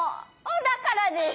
だからです。